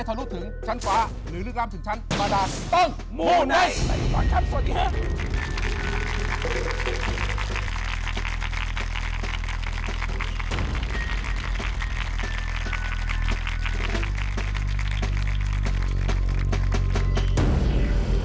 โปรดติดตามตอนต่อไป